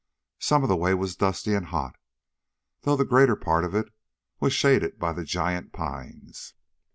Some of the way was dusty and hot, though the greater part of it was shaded by the giant pines.